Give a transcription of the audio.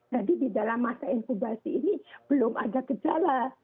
jadi di dalam masa inkubasi ini belum ada gejala